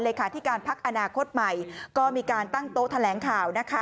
ที่การพักอนาคตใหม่ก็มีการตั้งโต๊ะแถลงข่าวนะคะ